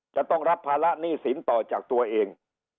จะต้องรับภาระหนี้สินต่อจากตัวเอง